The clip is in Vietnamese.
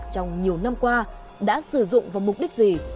trong nhiều năm qua đã sử dụng vào mục đích gì